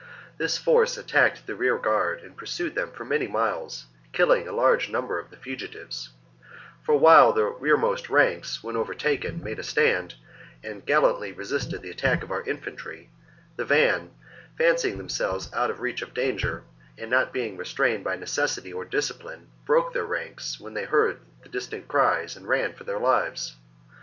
This force attacked the rearguard and pursued them for many miles, killing a large number of the fugitives ; for while the rearmost ranks, when overtaken, made a stand and gallantly resisted the attack of our infantry, the van, fancying themselves out of reach of danger and not being restrained by necessity or discipline, broke their ranks when they heard the distant cries and ran for their lives.